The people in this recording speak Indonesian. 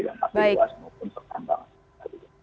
dan maksimal semua pun serta merta